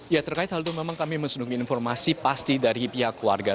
ya terkait hal itu memang kami mensundungi informasi pasti dari pihak keluarga